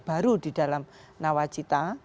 baru di dalam nawacita